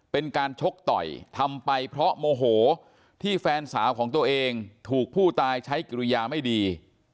เป็นการชกต่อยทำไปเพราะโมโหที่แฟนสาวของตัวเองถูกผู้ตายใช้กิริยาไม่ดี